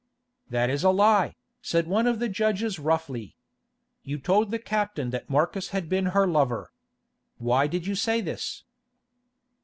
"That is a lie," said one of the judges roughly. "You told the captain that Marcus had been her lover. Why did you say this?"